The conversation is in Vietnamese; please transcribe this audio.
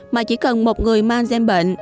mà chỉ cần một người mang gen bệnh